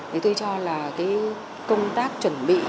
thì tôi cho là công tác chuẩn bị